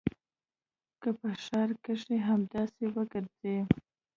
که په ښار کښې همداسې وګرځې.